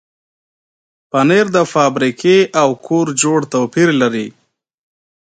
پنېر د فابریکې او کور جوړ توپیر لري.